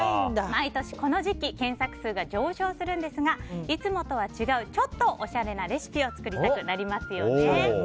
毎年、この時期検索数が上昇するんですがいつもとは違うちょっとおしゃれなレシピを作りたくなりますよね。